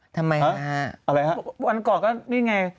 ทำไมหน่ะอะไรฮะเมื่อก่อนนี่ไง